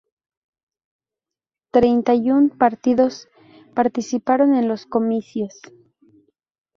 Treinta y un partidos participaron en los comicios.